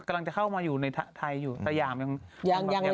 กำลังจะเข้ามาอยู่ในไทยอยู่สยามยัง